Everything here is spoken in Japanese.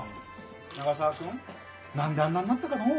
永沢君何であんなになったかのう。